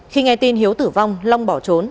khi nghe tin hiếu tử vong long bỏ trốn